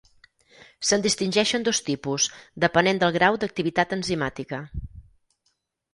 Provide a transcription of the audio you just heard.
Se’n distingeixen dos tipus depenent del grau d’activitat enzimàtica.